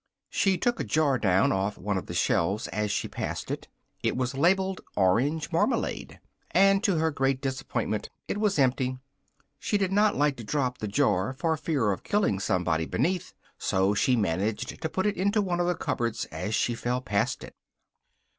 She took a jar down off one of the shelves as she passed: it was labelled "Orange Marmalade," but to her great disappointment it was empty: she did not like to drop the jar, for fear of killing somebody underneath, so managed to put it into one of the cupboards as she fell past it.